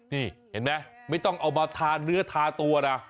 นี่เห็นไหมไม่ต้องเอามาทาเนื้อทาตัวนะ